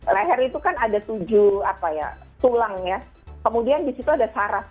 leher itu kan ada tujuh apa ya tulang ya kemudian disitu ada saras